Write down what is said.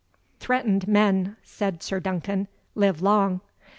"Threatened men," said Sir Duncan, "live long.